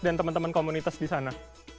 dan teman teman komunitas di sana